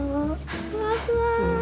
ふわふわ。